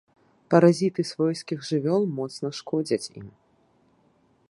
Паразіты свойскіх жывёл моцна шкодзяць ім.